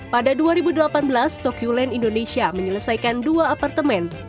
pada dua ribu delapan belas tokyo land indonesia menyelesaikan dua apartemen